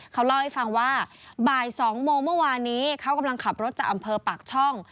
เขาเล่าให้ฟังว่าบ่าย๒โมงเมื่อวานนี้เขากำลังขับรถจากอำเภอปากช่อง